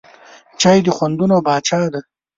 چای د خوندونو پاچا دی.